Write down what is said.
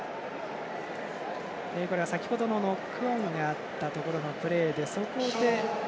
先ほどのノックオンがあったところのプレーでそこで。